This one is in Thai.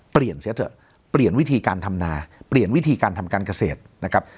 เสียเถอะเปลี่ยนวิธีการทำนาเปลี่ยนวิธีการทำการเกษตรนะครับ